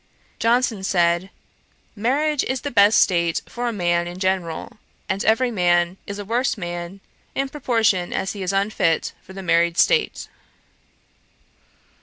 Johnson said, 'Marriage is the best state for a man in general; and every man is a worse man, in proportion as he is unfit for the married state.'